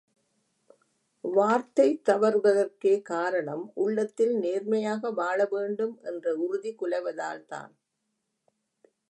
வார்த்தை தவறுவதற்கே காரணம் உள்ளத்தில் நேர்மையாக வாழ வேண்டும் என்ற உறுதி குலைவதால் தான்.